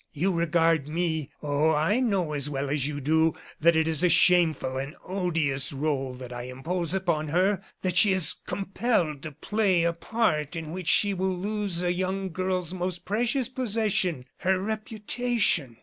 You regard me oh, I know as well as you do that it is a shameful and odious role that I impose upon her that she is compelled to play a part in which she will lose a young girl's most precious possession her reputation."